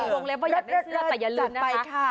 ลงเล็บว่าอยากได้เสื้อแต่อย่าลืมนะคะ